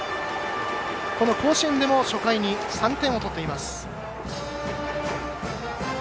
この甲子園でも初回に３点を取っています。